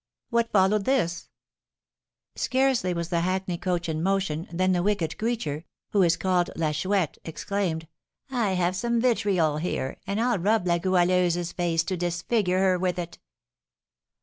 "What followed this?" "Scarcely was the hackney coach in motion, than the wicked creature, who is called La Chouette, exclaimed, 'I have some vitriol here, and I'll rub La Goualeuse's face, to disfigure her with it!'"